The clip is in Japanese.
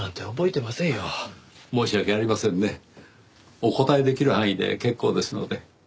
お答えできる範囲で結構ですので。